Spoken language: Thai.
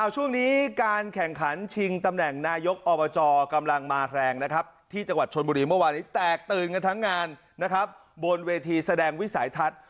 ช่วงนี้การแข่งขันชิงตำแหน่งนายกอบจกำลังมาแรงนะครับที่จังหวัดชนบุรีเมื่อวานนี้แตกตื่นกันทั้งงานนะครับบนเวทีแสดงวิสัยทัศน์